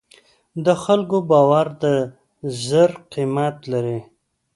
د خلکو باور د زر قیمت لري.